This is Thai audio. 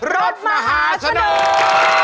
รถมหาสนุก